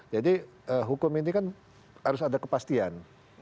hukum ini kan harus ada kepastian